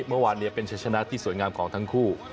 เมื่อวานนี้เป็นชัยชนะที่สวยงามของทั้งคู่